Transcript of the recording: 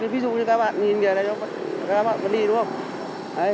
ví dụ như các bạn nhìn kìa các bạn có đi đúng không